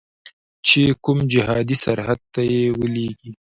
چې کوم جهادي سرحد ته یې ولیږي.